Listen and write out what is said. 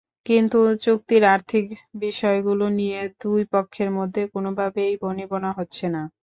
কিন্তু চুক্তির আর্থিক বিষয়গুলো নিয়ে দুই পক্ষের মধ্যে কোনোভাবেই বনিবনা হচ্ছে না।